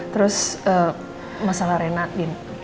terus masalah rena din